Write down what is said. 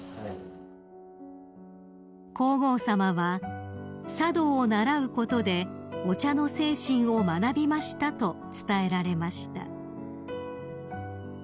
［皇后さまは「茶道を習うことでお茶の精神を学びました」と伝えられました］